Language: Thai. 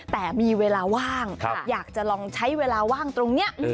แต่มีเวลาว่างอยากจะลองใช้เวลาว่างตรงนี้